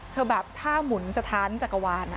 แบบท่าหมุนสถานจักรวาล